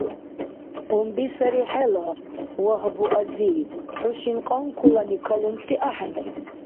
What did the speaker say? Къунби сари хӀела, Вагьбу-ази! ХӀу шинкьанкулани калунси ахӀенри!